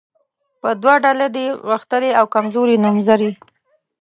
په دوه ډوله دي غښتلي او کمزوري نومځري.